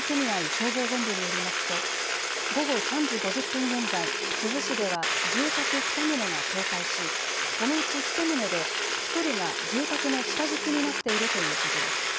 消防本部によりますと午後３時５０分現在、珠洲市では住宅２棟が倒壊しこのうち１棟で１人が住宅の下敷きになっているということです。